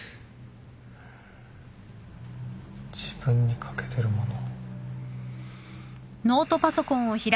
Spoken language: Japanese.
自分に欠けてるもの。